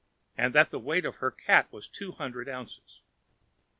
and that the weight of her cat was two hundred ounces.